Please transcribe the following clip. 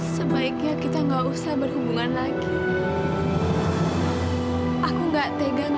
sampai jumpa di video selanjutnya